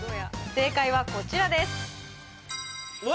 正解はこちらです・おお！